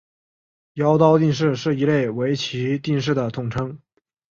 妖刀定式是一类围棋定式的统称。